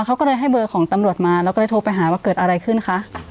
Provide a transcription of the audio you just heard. เขาก็เลยให้เบอร์ของตำรวจมาแล้วก็เลยโทรไปหาว่าเกิดอะไรขึ้นคะ